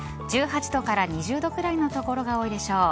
１８度から２０度くらいの所が多いでしょう。